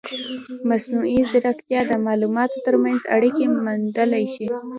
مصنوعي ځیرکتیا د معلوماتو ترمنځ اړیکې موندلی شي.